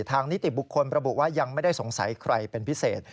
นิติบุคคลประบุว่ายังไม่ได้สงสัยใครเป็นพิเศษ